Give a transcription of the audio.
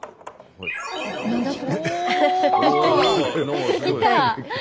出てきた。